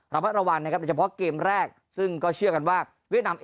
ระมัดระวังนะครับโดยเฉพาะเกมแรกซึ่งก็เชื่อกันว่าเวียดนาม